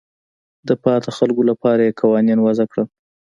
د پاتې خلکو لپاره یې قوانین وضع کړل.